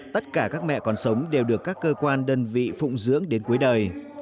tất cả các mẹ còn sống đều được các cơ quan đơn vị phụng dưỡng đến cuối đời